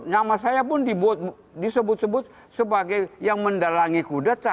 nama saya pun disebut sebut sebagai yang mendalangi kudeta